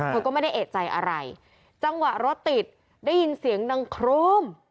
เธอก็ไม่ได้เอกใจอะไรจังหวะรถติดได้ยินเสียงดังโครม